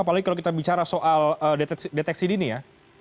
apalagi kalau kita bicara soal deteksi dini ya